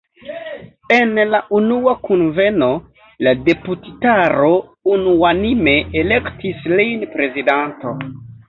En la unua kunveno la deputitaro unuanime elektis lin prezidanto.